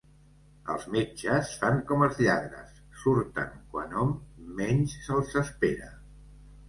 Els metges fan com els lladres: surten quan hom menys se'ls espera.